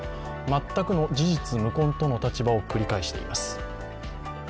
全くの事実無根との立場を繰り返しています。